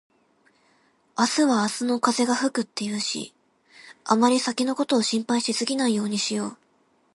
「明日は明日の風が吹く」って言うし、あまり先のことを心配しすぎないようにしよう。